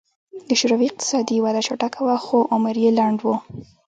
د شوروي اقتصادي وده چټکه وه خو عمر یې لنډ و